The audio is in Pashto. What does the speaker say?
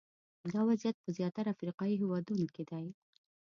دا وضعیت په زیاتره افریقایي هېوادونو کې دی.